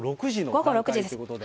午後６時です。